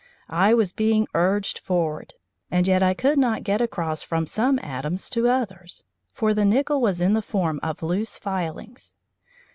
I was being urged forward, and yet I could not get across from some atoms to others, for the nickel was in the form of loose filings.